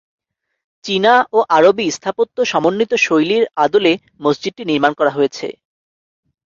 চীনা ও আরবি স্থাপত্য সমন্বিত শৈলীর আদলে মসজিদটি নির্মাণ করা হয়েছে।